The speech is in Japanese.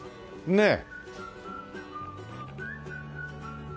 ねえ。